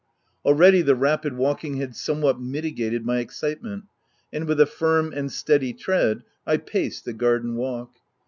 Already the rapid walking had somewhat mitigated my excite ment ; and with a firm and steady tread, I paced the garden walk.